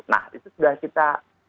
nah itu sudah kita